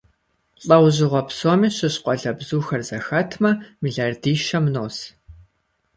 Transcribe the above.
ЛӀэужьыгъуэ псоми щыщ къуалэбзухэр зэхэтмэ, миллиардищэм нос.